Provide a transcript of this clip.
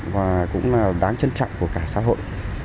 và cũng là đáng trân trọng của cả xã hội